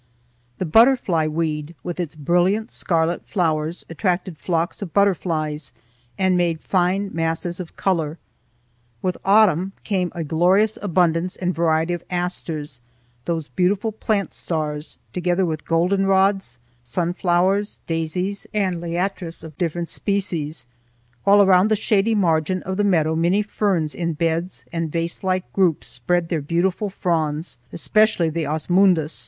The butterfly weed, with its brilliant scarlet flowers, attracted flocks of butterflies and made fine masses of color. With autumn came a glorious abundance and variety of asters, those beautiful plant stars, together with goldenrods, sunflowers, daisies, and liatris of different species, while around the shady margin of the meadow many ferns in beds and vaselike groups spread their beautiful fronds, especially the osmundas (_O.